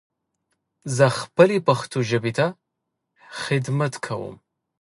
زه خپلې پښتو ژبې ته خدمت کوم.